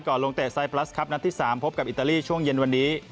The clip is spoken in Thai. ลงเตะไซพลัสครับนัดที่๓พบกับอิตาลีช่วงเย็นวันนี้